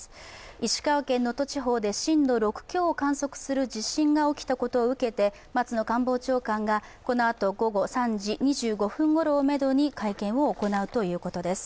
石川県能登地方で震度６強の地震が観測されたことを受けて松野官房長官がこのあと午後３時２５分ごろをめどに会見を行うということです。